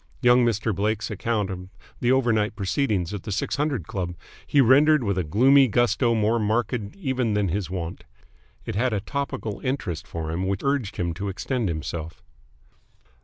Young Mr. Blake's account of the overnight proceedings at the Six Hundred Club he rendered with a gloomy gusto more marked even than his wont. It had a topical interest for him which urged him to extend himself.